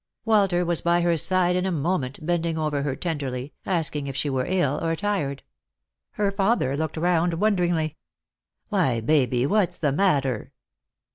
Walter was by her side in a moment, bending over her tenderly, asking if she were ill or tired. Her father looked round wonderingly. " Why, Baby, what's the matter